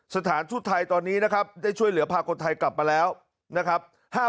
สถานทูตไทยตอนนี้นะครับได้ช่วยเหลือพาคนไทยกลับมาแล้วนะครับ